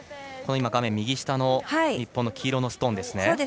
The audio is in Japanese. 画面右下の日本の黄色のストーンですね。